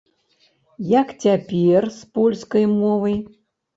Як цяпер з польскай мовай?